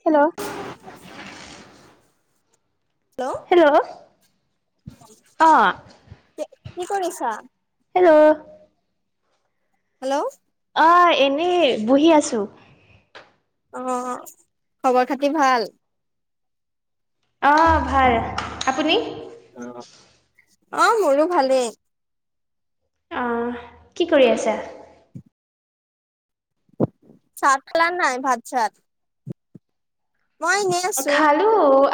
Hello. Hello, অহ। কি কৰিছা? হেল্ল'। হেল্ল'। অ', এনেই বহি আছো। অ', খবৰ খাতি ভাল? অ', ভাল আপুনি? অ', মোৰো ভালেই। অহ, কি কৰি আছা? চাহ খালা নে নাই? ভাত চাত। মই এনেই আছো। খালো,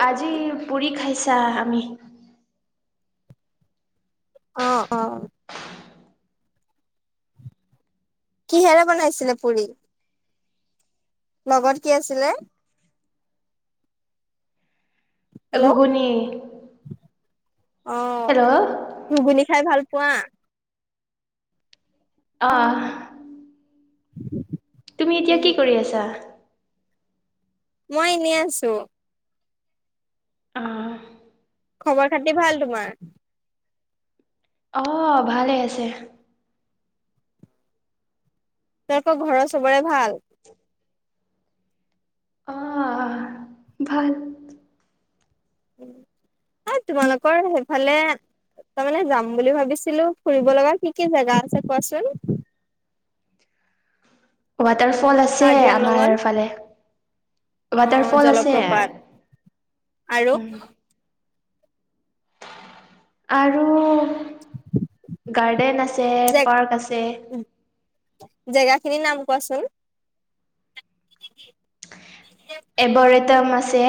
আজি পুৰি খাইছা আমি। অ', অ। কিহেৰে বনাইছিলে পুৰি? লগত কি আছিলে? হেল্ল' ঘুগুনি। অ', হেল্ল' ঘুগুনি খাই ভাল পোৱা। অহ। [unintelligible] তুমি এতিয়া উম, কি কৰি আছা? মই এনেই আছো। অহ। খবৰ খাতি ভাল তোমাৰ? অহ, ভালেই আছে। তোমালোকৰ ঘৰৰ চবৰে ভাল? অহ ভাল। তোমালোকৰ সেইফালে তাৰ মানে যাম বুলি ভাবিছিলো, ফুৰিব লগা কি কি জোগা আছে কোৱাচোন? ৱাটাৰফল আছে কাৰ্বি আমাৰ আংলঙত? ফালে। অ', ৱাটাৰফল আছে। জলপ্ৰপাত আৰু উম। আৰু গাৰ্ডেন আছে, জেক পাৰ্ক আছে। খিনি নাম কোৱাচোন? এবৰেটম আছে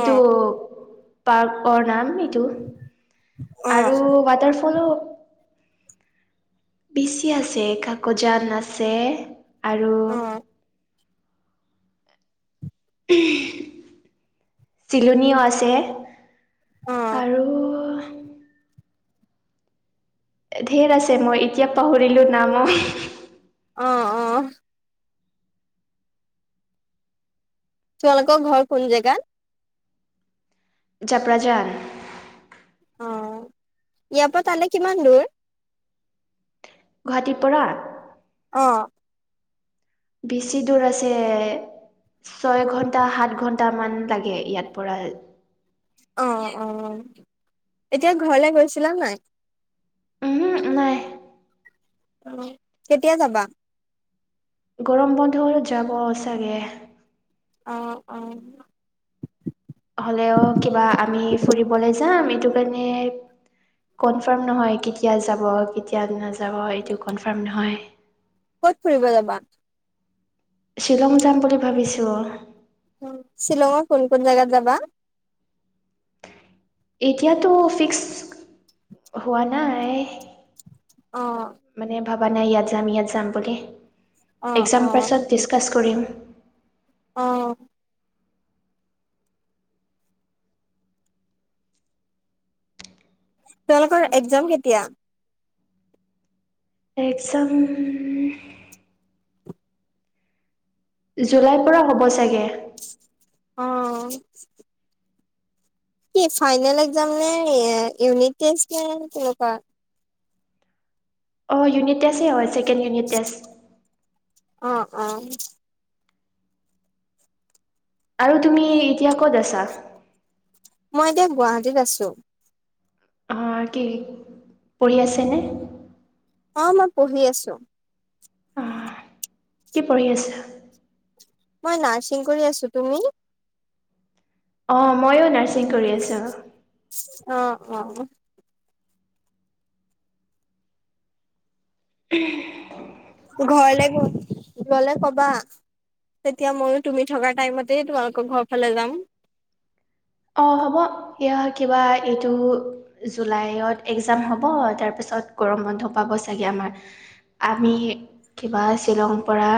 অ পাৰ্কৰ নাম এইটো অ আৰু ৱাটাৰফলো। বেছি আছে, কাক'জান আছে আৰু অ উম, চিলনীও আছে। অ আৰু ঢেৰ আছে, মই এতিয়া পাহৰিলো না মই। অ', অ। তোমালোকৰ ঘৰ কোন জেগাত? জপ্ৰঝান। অ', ইয়াৰ পৰা তালে কিমান দূৰ? গুৱাহাটী পৰা। অহ। বেছি দূৰ আছে। ছয় ঘন্টা সাত ঘন্টামান লাগে ইয়াৰ পৰা। অ', অ, এতিয়া ঘৰলে গৈছিলা নে নাই? ওহো নাই। কেতিয়া যাবা গৰম বন্ধ হল যাব চাগে আহ অ হ'লেও কিবা আমি ফুৰিবলৈ যাম এইটো কাৰণে কনফাৰম নহয় কেতিয়া যাব কেয়া নাযাব এইটো কনফাৰ্ম নহয় ক'ত ফুৰিব যাবা শ্বিলং যাম বুলি ভাবিছো শ্বিলঙৰ কোন কোন জাগাত যাবা এতিয়াতো ফিক্স হোৱা নাই অ ভাবা নাই ইয়াত যাম ইয়াত যাম বুলি অ এক্জাম পাছত ডিছকাছ কৰিম অহ তোমালোকৰ একজাম কেতিয়া একচাম জুলাই পৰা হ'ব চাগে। অ'। ফাইনেল একজাম নে ইউনিট টেষ্ট নে কেনেকুৱা? অ', ইউনিট টেষ্টেই হয় ছেকেণ্ড ইউনিট টেষ্ট। অ', অ'। আৰু তুমি এতিয়া ক'ত আছা? মই এতিয়া গুৱাহাটীত আছো। অ কি পঢ়ি আছেনে অ মই পঢ়ি আছো অ কি পঢ়ি আছা মই নাৰ্ছিং কৰি আছো তুমি অ ময়ো নাৰ্ছিং কৰি আছো অ অ ঘৰলে ঘৰলে কবা তেতিয়া ময়ো তুমি থকা টাইমতে তোমালোকৰ ঘৰ ফালে যাম অ', হ'ব এ কিবা এইটো জুলাইত একজাম হ'ব তাৰ পিছত চত গৰম বন্ধ পাব চাগে আমাৰ। আমি কিবা শ্বিলংৰ পৰা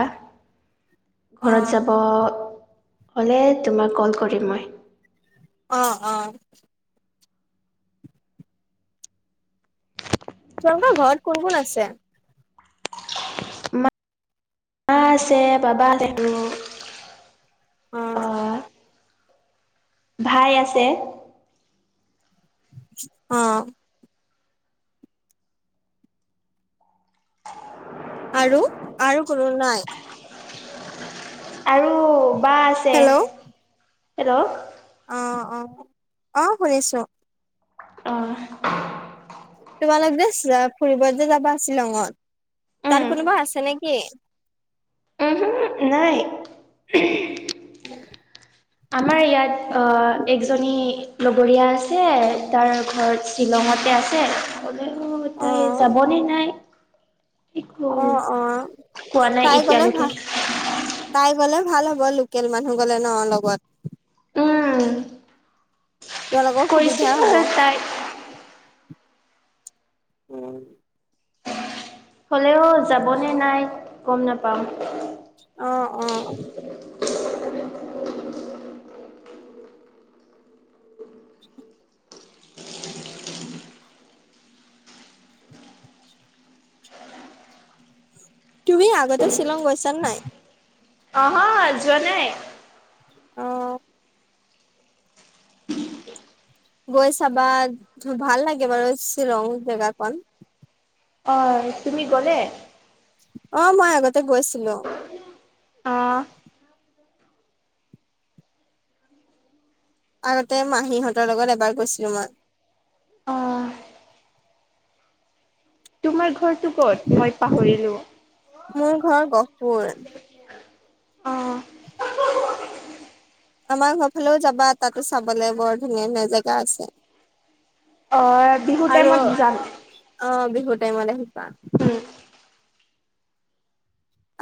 অ ঘৰত যাব হ'লে তোমাক কল কৰিম মই। অ', অ'। তোমালোকৰ ঘৰত কোন কোন আছে? মা আছে বাবা অ'। ভাই আছে। অ'। আৰু আৰু কোনো নাই? আৰু বা আছে, হেল্ল' হেল্ল'। অ', অ', অ' শুনিছো। আহ। তোমালোক যে ফুৰিবত যে যাবা শ্বিলঙত উম, তাত কোনোবা আছে নেকি? উহো নাই। [inaudible] আমাৰ ইয়াত অ' একজনী লগৰীয়া আছে তাৰ ঘৰ শ্বিলং মতে আছে হ'লেও অ তাই যাবনে নাই। একো অ', অ', কোৱা নাই তাই গ'লে ভ এতিয়ালৈকে তাই গ'লে ভাল হ'ব লোকেল মানুহ গ'লে ন লগত। উম। তোমালোকৰ সুবিধা কৰিছিলো হ'ব। তাই উম। হ'লেও যাবনে নাই গম নাপাওঁ। অ', অ'। [inaudible] [inaudible] তুমি আগতে শ্বিলং গৈছানে নাই? অহ যোৱা নাই। অ'। গৈ চাবা ভাল লাগে বাৰু শ্বিলং জেগাকন। অ', তুমি গ'লে? অ', মই আগতে গৈছিলো। অ'। আগতে মাহীহঁতৰ লগত এবাৰ গৈছিলো মই। অ তোমাৰ ঘৰটো ক'ত মই পাহৰিলোঁ? মোৰ ঘৰ গহপুৰ। অ'। আমাৰ ঘৰ ফালেও যাবা, তাতো চাবলে বৰ ধুনীয়া ধুনীয়া জেগা আছে। অহ' বিহু টাইমত যাম। বিহুৰ টাইমত আহিবা। উম।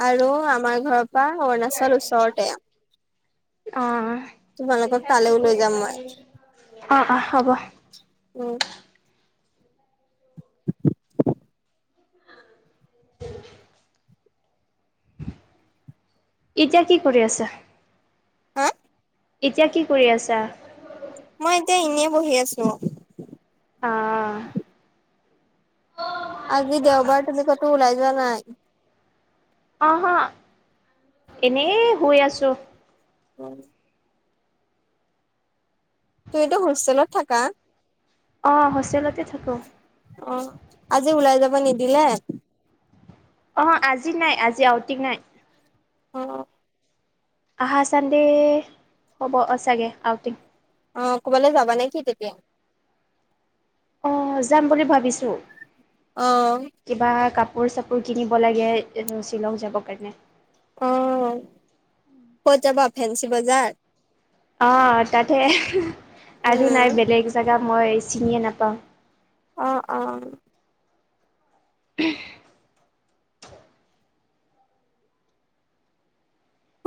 আৰু আমাৰ ঘৰৰ পৰা অৰুণাচল ওচৰতে। অ', তোমালোকক তালৈও লৈ যাম মই। অ', অ', হ'ব। উম। এতিয়া কি কৰি আছা? হা? এতিয়া কি কৰি আছা? মই এতিয়া এনেই বহি আছো। অ', আজি দেওবাৰ তুমি কতো ওলাই যোৱা নাই। অহ' হ। এনেই শুই আছো। উম'। তুমিটো হোষ্টেলত থাকা। অহ' হোষ্টেলতে থাকো। অহ' আজি ওলাই যাব নিদিলে। অহ' আজি নাই। অহ'। আহা চানডে হ'ব অহ, চাগে আউটিং। অহ' ক'বালৈ যাবা নেকি তেতিয়া? অহ' যাম বুলি ভাবিছোঁ। অহ'। কিবা কাপোৰ চাপোৰ কিনিব লাগে, শ্বিলং যাব কাৰণে। অহ' ক'ত যাবা ফেঞ্চি বজাৰ। অহ' তাতে [unintelligible] আৰু উম নাই বেলেগ জেগা মই চিনিয়ে নাপাওঁ। অহ', অহ'। [unintelligible]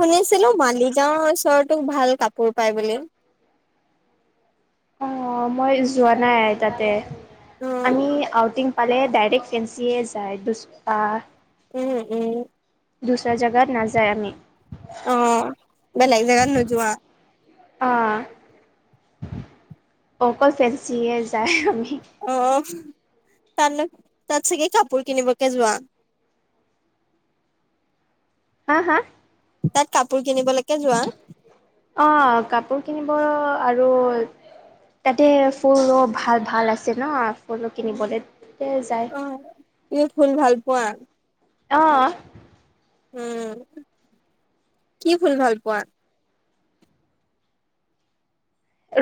শুনিছিলোঁ মালিগাঁওৰ ওচৰতো ভাল কাপোৰ পায় বুলি। অহ' মই যোৱা নাই তাতে, উম আমি আউটিং পালে ডাইৰেক্ট ফেঞ্চিয়ে যায় দুচ উম', উম'। দুচৰা জাগাত নাযায় আমি। অ বেলেগ জেগাত নোযোৱা। অহ'। অকল ফেঞ্চিয়ে যায় আমি। অহ' তাত। তাত চাগে কাপোৰ কিনিবকে যোৱা। হা হা। তাত কাপোৰ কিনিবলৈকে যোৱা অহ' কাপোৰ কিনিব আৰু তাতে ফুলো ভাল-ভাল আছে ন, ফুল কিনিবলৈ তাতে যায়। অ তুমি ফুল ভাল পোৱা। অহ'। উম'। কি ফুল ভাল পোৱা?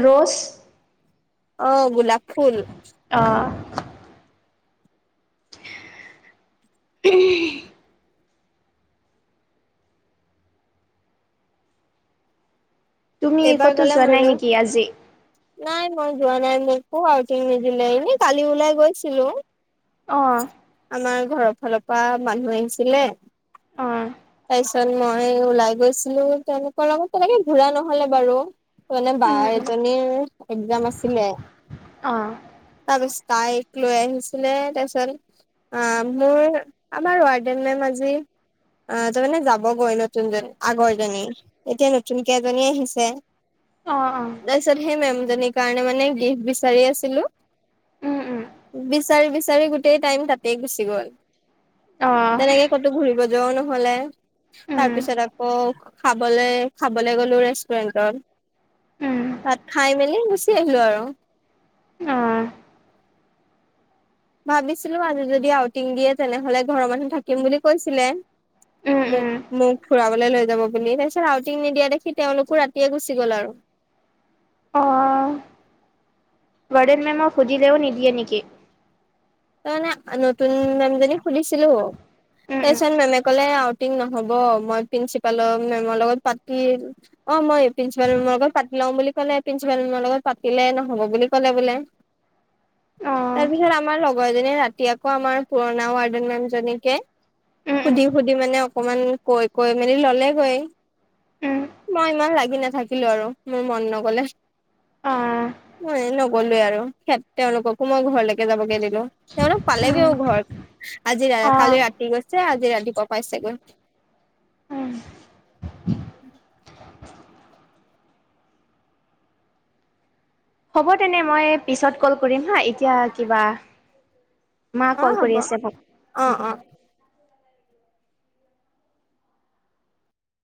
ৰোচ। অহ' গোলাপ ফুল। অ', [unintelligible] তুমি এইবাৰ কতো গলে যোৱা নাই মোলেও নেকি আজি? নাই মই যোৱা নাই। মোকো আউটিং নিদিলে এনেই কালি ওলাই গৈছিলোঁ। অ'। আমাৰ ঘৰৰ ফালৰ পৰা মানুহ আহিছিলে অ', তাৰপিছত মই ওলাই গৈছিলো তেওঁলোকৰ লগত তেনেকে ঘুৰা নহ'লে বাৰু। মানে বা উম, উম, এজনীৰ একজাম আছিলে, অ', তাৰপিছত তাইক লৈ আহিছিলে তাৰপিছত আ মোৰ আমাৰ ৱাৰ্ডেন মেম আজি অ'। আহ তাৰমানে যাবগৈ নতুনজনী আগৰজনী এতিয়া নতুনকে এজনী আহিছে। অ', অ', তাৰপিছত সেই মেমজনীৰ কাৰণে মানে গিফ্ট বিচাৰি আছিলোঁ। উম, উম, বিচাৰি বিচাৰি গোটেই টাইম তাতে গুচি গ'ল। অ', তেনেকে ক'তো ঘূৰিব যোৱাও নহ'লে। উম, উম, তাৰপিছত আকৌ খাবলৈ, খাবলৈ গ'লো ৰেষ্টুৰেন্টত। তাত খাই মেলি এই গুচি আহিলোঁ আৰু। অহ'। ভাবিছিলোঁ আজি যদি আউটিং দিয়ে, তেনেহ'লে ঘৰৰ মানুহ থাকিম বুলি কৈছিলে। উম, মো উম, মোৰ খুড়া লৈ যাব বুলি তাৰিছত আউটিং নিদিয়া দেখি তেওঁলোকো ৰাতিয়ে গুচি গ'ল আৰু। অ', ব়ন [unintelligible] মেমক সুধিলেও নিদিয়ে নিকি তাৰ মানে নতুন মেমজনী সুধিছিলো, উম, উম, তাৰপিছত মেমে ক'লে নহ'ব মই প্ৰিন্ঞ্চিপালৰ মেমৰ লগত পাতি অ', মই প্ৰিন্ঞ্চিপাল মেমৰ লগত পাতি লম বুলি কলে পিন্সিপাল মেমৰ লগত পাতিলে নহ'ব বুলি ক'লে বোলে [inaudible] তাৰপিছত আমাৰ লগৰজনী ৰাতি আকৌ আমাৰ পুৰণা ৱাৰ্ডেন মেম জনীকে উম, উম, সুধি সুধি মানে অকমান কৈ কৈ মেলি ললেগৈ। উম মই ইমান লাগি নাথাকিলো আৰু মোৰ মন নগ'লে। অ', মই নগ'লোয়ে আৰু তেওঁলোককো মই ঘৰলৈকে যাবগে দিলো। সিহঁত উম, পালেগেওঁ ঘৰ, আজি কালি অ', ৰাতি গৈছে। যে আজি ৰাতিপুৱা পাইছেগৈ উম, হ'ব তেনে মই পিছত কল কৰিম হা এতিয়া কিবা মা অ কল হ'ব কৰি আছে অ অ ভাল